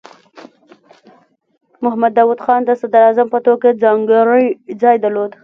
محمد داؤد خان د صدراعظم په توګه ځانګړی ځای درلود.